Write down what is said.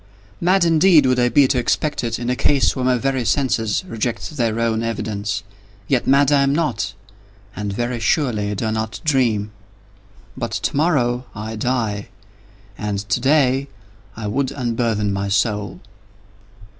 Mad indeed would I be to expect it, in a case where my very senses reject their own evidence. Yet, mad am I not—and very surely do I not dream. But to morrow I die, and to day I would unburthen my soul.